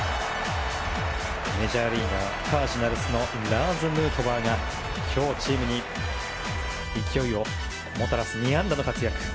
メジャーリーガーカージナルスのラーズ・ヌートバーがチームに勢いをもたらす２安打の活躍。